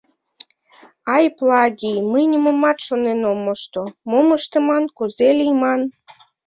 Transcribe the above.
Ай, Плагий, мый нимомат шонен ом мошто: мом ыштыман, кузе лийман!